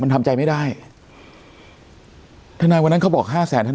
มันทำใจไหมได้เธอไหนวันนั้นเขาบอกห้าแสนเธอไน